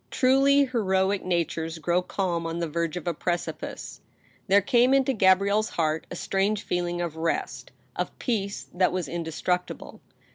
Truly heroic natures grow calm on the verge of a precipice. There came into Gabrielle's heart a strange feeling of rest ; of peace that was indestructible.